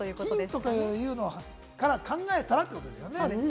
菌とかいうのから考えたらってことですよね？